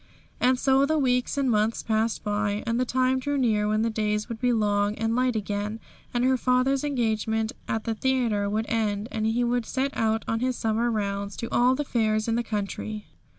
And so the weeks and months passed by, and the time drew near when the days would be long and light again, and her father's engagement at the theatre would end, and he would set out on his summer rounds to all the fairs in the country.